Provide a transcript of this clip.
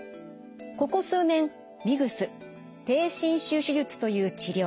ここ数年ＭＩＧＳ低侵襲手術という治療。